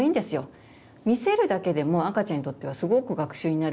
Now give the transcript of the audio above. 見せるだけでも赤ちゃんにとってはすごく学習になるんですね。